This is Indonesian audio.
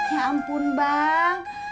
ya ampun bang